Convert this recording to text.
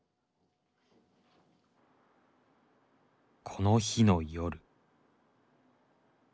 この日の夜。